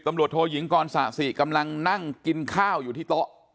ตำรวจโทยิงกรสะสิกำลังนั่งกินข้าวอยู่ที่โต๊ะ